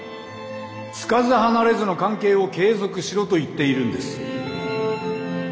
つかず離れずの関係を継続しろと言っているんです。